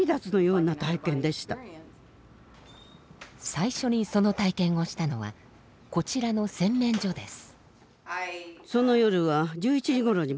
最初にその体験をしたのはこちらの洗面所です。